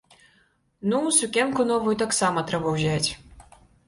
Ну, сукенку новую таксама трэба ўзяць.